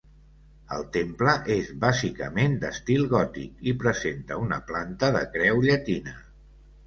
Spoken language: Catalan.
El temple és bàsicament d'estil gòtic i presenta una planta de creu llatina.